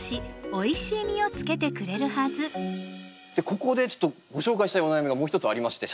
ここでちょっとご紹介したいお悩みがもう一つありまして。